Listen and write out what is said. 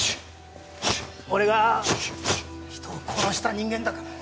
俺が人を殺した人間だから。